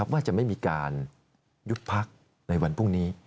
ว่าจะไม่มีการยุบพักในวันพรุ่งนี้